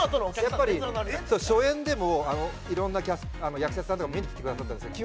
やっぱり初演でも色んな役者さんとか見に来てくださったんですけど